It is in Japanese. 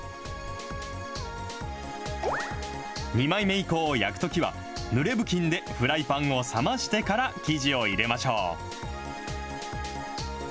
２枚目以降を焼くときは、ぬれ布巾でフライパンを冷ましてから生地を入れましょう。